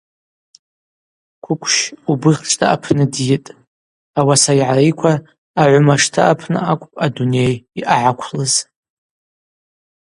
Квыквщ Убыхшта апны дйытӏ, ауаса йгӏариква агӏвымашта апны акӏвпӏ адуней йъагӏаквлыз.